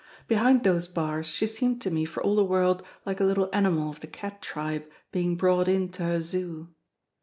Behind those bars she seemed to me for all the world like a little animal of the cat tribe being brought in to her Zoo.